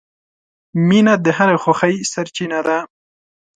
• مینه د هرې خوښۍ سرچینه ده.